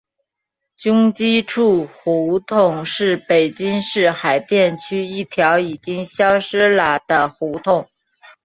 军机处胡同是北京市海淀区一条已经消失了的胡同。